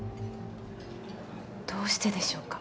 どうしてでしょうか。